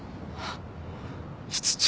室長。